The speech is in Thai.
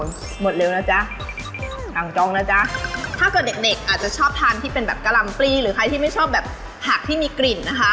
หมดเร็วนะจ๊ะสั่งจ้องนะจ๊ะถ้าเกิดเด็กเด็กอาจจะชอบทานที่เป็นแบบกะห่ำปลีหรือใครที่ไม่ชอบแบบผักที่มีกลิ่นนะคะ